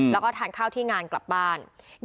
แล้วก็ทานข้าวที่งานกลับบ้าน